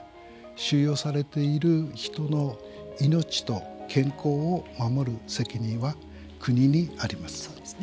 収容されている人の命と健康を守る責任は国にあります。